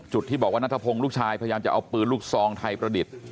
ที่บอกว่านัทพงศ์ลูกชายพยายามจะเอาปืนลูกซองไทยประดิษฐ์